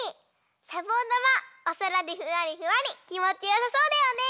しゃぼんだまおそらでふわりふわりきもちよさそうだよね！